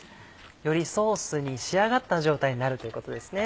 よりソースに仕上がった状態になるということですね。